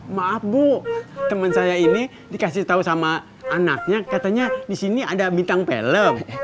maaf bu temen saya ini dikasih tau sama anaknya katanya disini ada bintang film